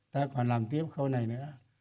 ta còn làm tiếp khâu này nữa